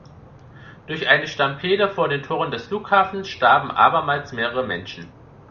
Durch eine Stampede vor den Toren des Flughafens starben abermals mehrere Menschen.